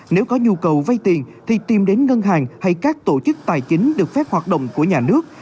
nếu có nhu cầu vay tiền thì tìm đến ngân hàng hay các tổ chức tài chính được phép hoạt động của nhà nước